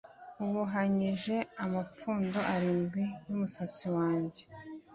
ubohanyije amapfundo arindwi y'umusatsi wanjye